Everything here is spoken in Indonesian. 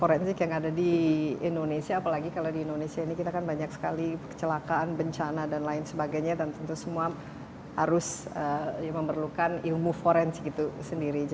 forensik yang ada di indonesia apalagi kalau di indonesia ini kita kan banyak sekali kecelakaan bencana dan lain sebagainya dan tentu semua harus memerlukan ilmu forensik itu sendiri